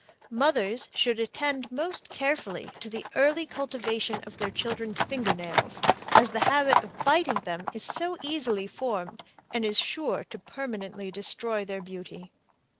Mothers should attend most carefully to the early cultivation of their children's finger nails, as the habit of biting them is so easily formed and is sure to permanently destroy their beauty.